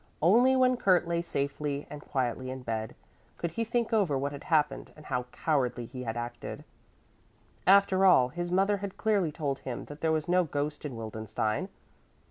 Only when Kurt lay safely and quietly in bed could he think over what had happened and how cowardly he had acted. After all, his mother had clearly told him that there was no ghost in Wildenstein.